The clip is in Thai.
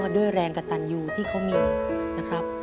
ด้วยแรงกระตันยูที่เขามีนะครับ